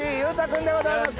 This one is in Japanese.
君でございます